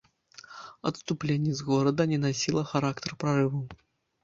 Адступленне з горада не насіла характар прарыву.